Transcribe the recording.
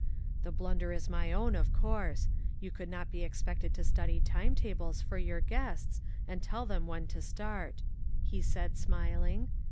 "The blunder is my own, of course. You could not. be expected to study time tables for your guests, and tell them when to start," he said, smiling.